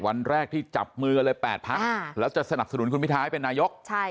วันแรกที่จับมือกันเลย๘พักแล้วจะสนับสนุนคุณพิทาให้เป็นนายก